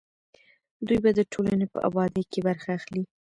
دوی به د ټولنې په ابادۍ کې برخه اخلي.